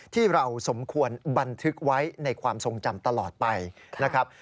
ที่เราสมควรบันทึกไว้ในความทรงจำตลอดไปนะครับ